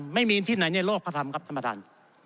ไม่มีที่ไหนในโลกเขาทำครับท่านประธาน